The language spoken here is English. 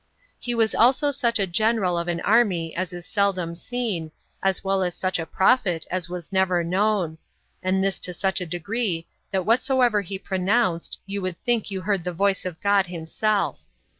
He was also such a general of an army as is seldom seen, as well as such a prophet as was never known, and this to such a degree, that whatsoever he pronounced, you would think you heard the voice of God himself.